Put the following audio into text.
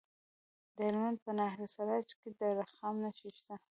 د هلمند په ناهري سراج کې د رخام نښې شته.